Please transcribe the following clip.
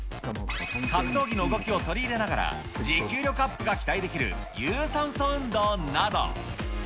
格闘技の動きを取り入れながら、持久力アップが期待できる有酸素運動など。